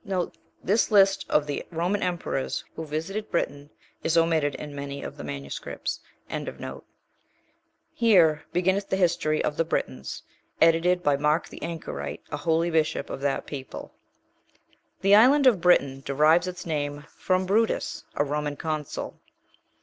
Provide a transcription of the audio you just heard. This list of the Roman emperors who visited Britain, is omitted in many of the MSS. Here beginneth the history of the Britons, edited by Mark the anchorite, a holy bishop of that people. 7. The island of Britain derives its name from Brutus, a Roman consul.